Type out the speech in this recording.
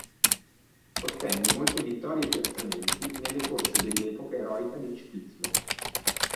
Ottenne molte vittorie e piazzamenti nelle corse dell'epoca eroica del ciclismo.